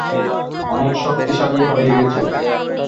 অনেক শক্তিশালী হয়ে গেছো।